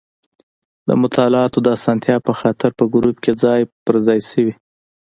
د مطالعاتو د اسانتیا په خاطر په ګروپ کې ځای په ځای شوي.